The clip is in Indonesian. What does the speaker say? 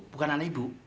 bukan anak ibu